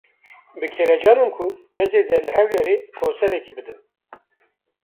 Bi kelecan im ku ez dê li Hewlêrê konserekê bidim.